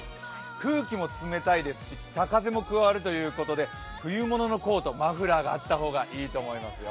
空気も冷たいですし北風も加わるということで冬物のコートマフラーがあった方がいいと思いますよ。